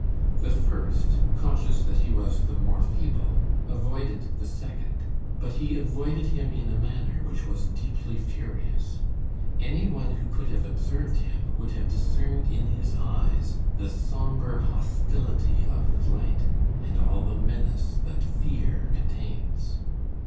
The first, conscious that he was the more feeble, avoided the second; but he avoided him in a manner which was deeply furious; any one who could have observed him would have discerned in his eyes the sombre hostility of flight, and all the menace that fear contains.